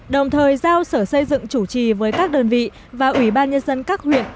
đồng thời giao sở xây dựng chủ trì với các đơn vị và ủy ban nhân dân các huyện